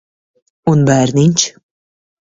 Un bērniņš?